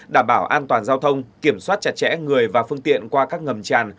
đảm bảo an toàn giao thông kiểm soát chặt chẽ người và phương tiện qua các ngầm tràn